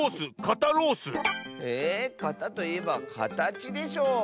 「かた」といえばかたちでしょ。